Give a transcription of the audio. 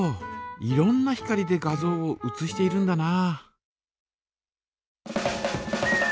いろんな光で画像を写しているんだな。